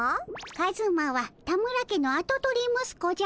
カズマは田村家のあと取りむすこじゃ。